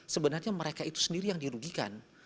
sebenarnya mereka itu sendiri yang dirugikan